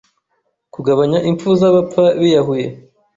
kugabanya impfu z’abapfa biyahuye.